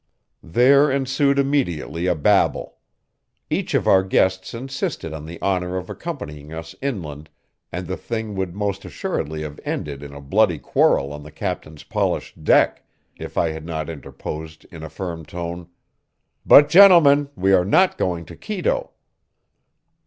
There ensued immediately a babel. Each of our guests insisted on the honor of accompanying us inland, and the thing would most assuredly have ended in a bloody quarrel on the captain's polished deck, if I had not interposed in a firm tone: "But, gentlemen, we are not going to Quito."